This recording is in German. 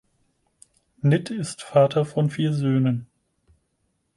Nitt ist Vater von vier Söhnen.